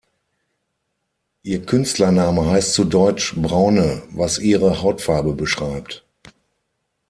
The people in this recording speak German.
Ihr Künstlername heißt zu Deutsch „Braune“, was ihre Hautfarbe beschreibt.